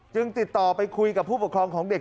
ติดต่อไปคุยกับผู้ปกครองของเด็ก